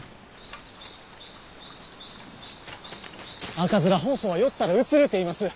赤面疱瘡は寄ったらうつるていいます。